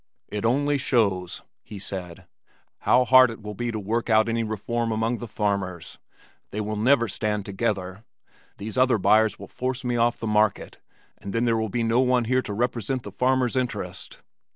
"It only shows," he said, "how hard it will be to work out any reform among the farmers. They will never stand together. These other buyers will force me off the market and then there will be no one here to represent the farmers' interest."